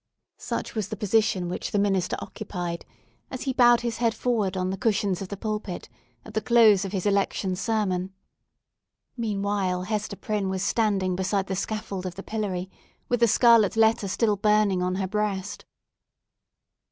Such was the position which the minister occupied, as he bowed his head forward on the cushions of the pulpit at the close of his Election Sermon. Meanwhile Hester Prynne was standing beside the scaffold of the pillory, with the scarlet letter still burning on her breast!